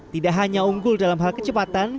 tidak hanya unggul dalam hal kecepatan